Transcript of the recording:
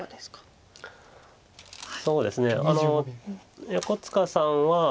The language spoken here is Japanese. そうですね横塚さんは。